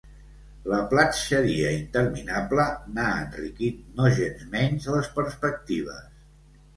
La platxèria, interminable, n'ha enriquit, nogensmenys, les perspectives.